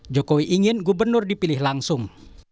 jokowi ingin gubernur dipilih langsung